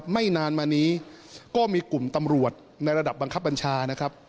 ไม่นานมานี้ก็มีกลุ่มตำรวจในระดับบังคับบัญชานะครับ